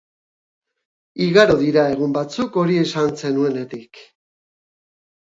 Igaro dira egun batzuk hori esan zenuenetik.